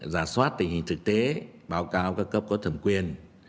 giả soát tình hình thực tế báo cáo các cấp có thẩm quyền